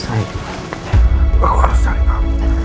enggak enggak enggak